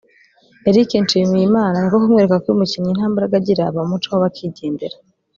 Eric Nshimiyimana ni ko kumwereka ko iyo umukinnyi nta mbaraga agira bamucaho bakigendera